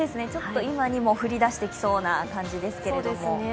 今にも降り出してきそうな感じですけれども。